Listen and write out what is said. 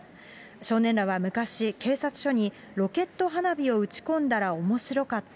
少年らは、昔、警察署にロケット花火を打ち込んだらおもしろかった。